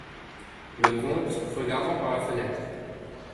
Le comte , regardant par la fenêtre.